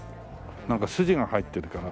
なんか筋が入ってるから。